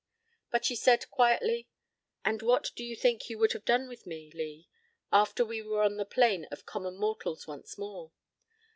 But she said quietly: "And what do you think you would have done with me, Lee, after we were on the plane of common mortals once more?